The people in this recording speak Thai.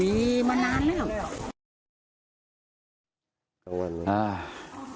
มีมานานแล้ว